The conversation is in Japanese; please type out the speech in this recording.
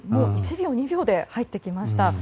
１秒、２秒で入ってきました。